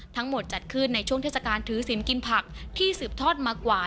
จัดขึ้นในช่วงเทศกาลถือศิลป์กินผักที่สืบทอดมากว่า